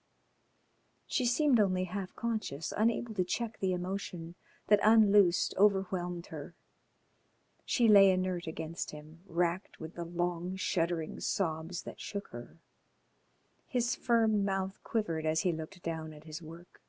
_" She seemed only half conscious, unable to check the emotion that, unloosed, overwhelmed her. She lay inert against him, racked with the long shuddering sobs that shook her. His firm mouth quivered as he looked down at his work.